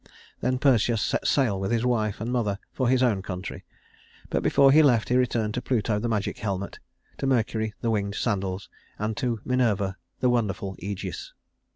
Then Perseus set sail with his wife and mother for his own country; but before he left he returned to Pluto the magic helmet, to Mercury the winged sandals, and to Minerva the wonderful Ægis.